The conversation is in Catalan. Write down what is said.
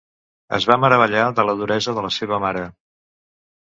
Es va meravellar de la duresa de la seva mare.